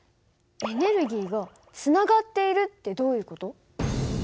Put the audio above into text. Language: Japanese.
エネルギーがつながっているってどういう事？